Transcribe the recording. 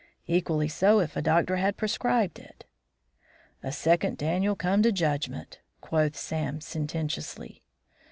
Equally so if a doctor had prescribed it." "A second Daniel come to judgment," quoth Sam, sententiously.